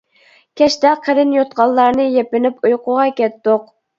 كەچتە قېلىن يوتقانلارنى يېپىنىپ ئۇيقۇغا كەتتۇق.